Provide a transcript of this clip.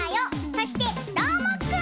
そしてどーもくん！